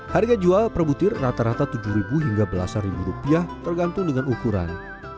harga jual per butir rata rata rp tujuh hingga belasan ribu rupiah tergantung dengan ukuran